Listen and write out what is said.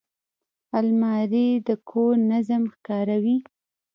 الماري د کور نظم ښکاروي